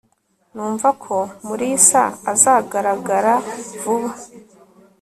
numva ko mulisa azagaragara vuba